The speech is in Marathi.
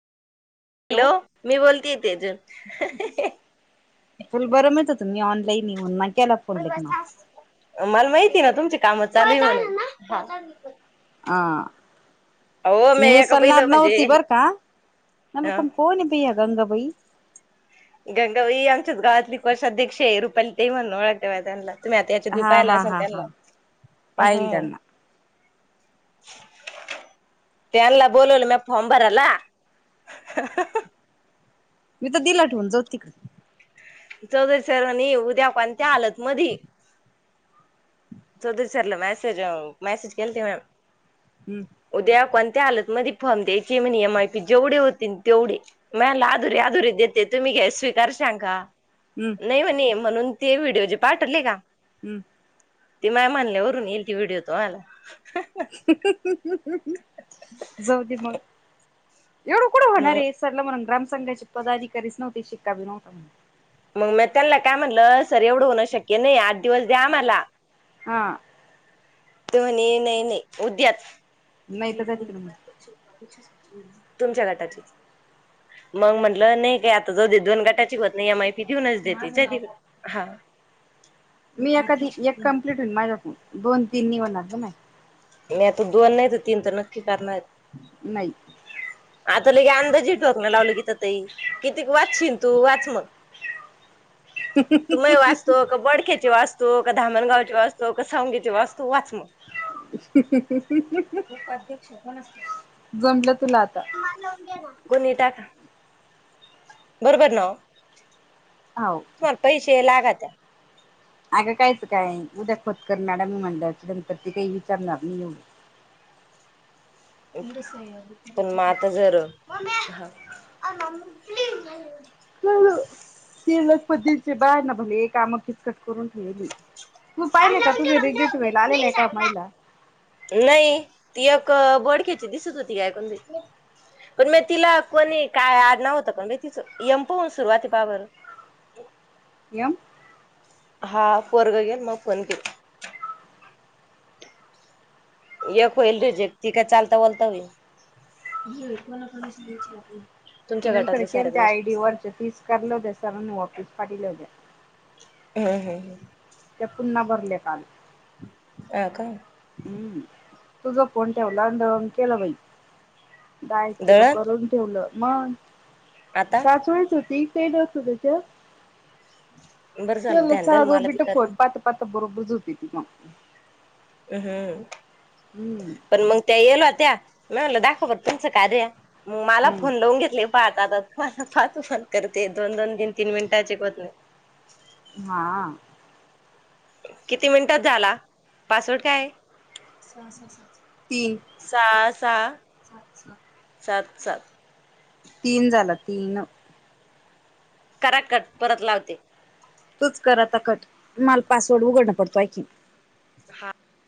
हॅलो मी बोलतेय तेजल [unintelligible] फुल बरं माहीत मी ऑनलाईन आहे हो बसास मला माहिती ना तुमची काम चालू आहे म्हणून आ हो मी एका उचलणार पहिलं म्हणजे नव्हती बर का न पण ह म्हटलं की कोणी हाय मी गंगाबाई गंगाबाई आमच्याच गावातील कोषाध्यक्ष आहे रुपाली ताई म्हणून ओळखतात त्यांना. तुम्ही आता याच्यात बी हा पायला हा असाल हा हा त्यांना पाहिल हम्म. त्यांना त्यांला बोलवलं मी फॉर्म भरला. मी तर दिला ठेवून जाऊदे तिकडे चौधरी सरांनी उद्या कोणत्याही हलत मधी चौधरी सरला मॅसेज मॅसेज केलंता म्या हम्म उद्या कोण त्या हलत म फर्म द्यायचे म्हणे एम आय पी जेवढे होती तेवढे म्या म्हटलं आधुरीे अधुरी देते तुम्ही काय स्वीकार सांगा हम्म नाही म्हणे म्हणून ते व्हिडिओ पाठवलेना हम्म. ते माय म्हनल्यावररून येईल ते व्हिडिओ तुम्हाला [inaudible] जाऊ दि मग एवढं कुठं होणार मग आहे सरला म्हणा संघाचे पदाधिकारीच नव्हते शिक्का बी नव्हता. मग मी त्यांना काय म्हणलं सर एवढं होण शक्य नाही आठ दिवस द्या आम्हाला. हा. म्हणी नाही नाही उद्याच ब नाही तर त्या तिकडे मग [unintelligible] तुमच्या गटाचीच मग म्हंटलं नाही काय आता जाऊ दे दोन गटाची होत नाही एम आय पी देऊनच देते त हा मी एखाधी एक कम्प्लीट होईन माझ्याकून दोन तीन नाही होणारग माय मी आता दोन नाही तर तीन तर नक्की करणार आहे. नाही आता ले अंदाजे ठोक नाही लावलं कि ते किती क वाचशील तू? वाच मग. तुम ही वाचतो की बोड ख्याची वाचतो? धामणगाव ची वाचतो की सावंगी ची वाचतो? वाच मग. [unintelligible] अहं हं हं. जमलं तुला आता. कोणी टाका. बरोबर ना. हो तुम्हाला पैसे लागत. ते अगं कायचं काय उद्या खोतकर मॅडम म्हंटलच नंतर ते काही विचारणार नाही एवढं. पण मग आता जर एवढं. [unintelligible] बाय ना भले. काम किचकट करून ठेवली. तू पाहिले का तुझे रिजेक्ट व्हायला आलेला आहे का महिला नाही ती एक बोडक्याची दिसत होती काय कोण त कोण मे तिला कोणी काय आडनाव होत कोण रे तिच एम पासून सुरुवात पहा बरं. एम. हा पोरग गेल मग फोन केला. एक होईल रिजेक्ट ती काय चालता बोलता होईन. मी इकड केलं त्या आयडी वरच तीस करलो होत सरानी वापिस पाठलं होत्या. हं हं हं. ते पुन्हा भरले काल. आ का? हम्म. तुझ फोन ठेवला आणि दळण केला बाई. बाय तुला दळण करून ठेवलं. म आता [unintelligible] होती. ते [unintelligible] [inaudible] [unintelligible] ध्यान द्याल मला बी कर आता बरोबर झोप येती म. हं. पण मग त्या येला त्या? मला दाखव बरं तुमचं कार्य. मला हम्म. फोन लावून घेतली पाहता आता मला पाच फोन करते दोन दोन, तीन, तीन मिनिटाची होत नाही हा. किती मिनिटात झाला? पासवर्ड काय? सात तीन सहा सात सात तीन झाला तीन करा कट परत लावते. तूच कर आता कट मला पासवर्ड उघडणं पडताय की हा